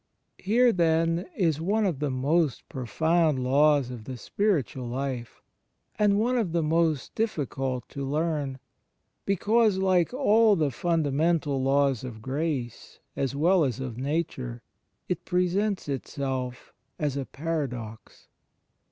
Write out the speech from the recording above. Here, then, is one of the most profound laws of the spiritual life, and one of the most difficult to learn, because, like all the fundamental laws of grace, as well as of nature, it presents itself as a paradox.